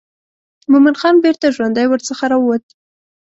مومن خان بیرته ژوندی ورڅخه راووت.